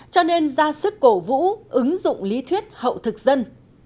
cho nên ra sức cổ vũ ứng dụng lý thuyết hậu thực dân